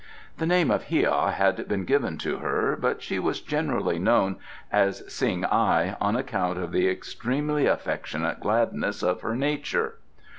The name of Hia had been given to her, but she was generally known as Tsing ai on account of the extremely affectionate gladness of her nature.